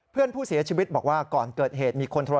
เพื่อนผู้เสียชีวิตบอกว่าก่อนเกิดเหตุมีคนโทร